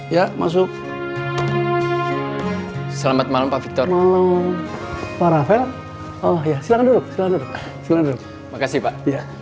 ya masuk selamat malam pak victor mau paravel oh ya silahkan dulu silahkan dulu makasih pak